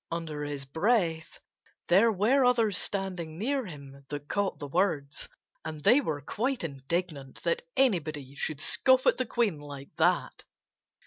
under his breath, there were others standing near him that caught the words. And they were quite indignant that anybody should scoff at the Queen like that.